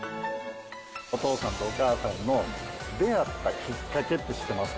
お父さんとお母さんの出会ったきっかけって、知ってますか？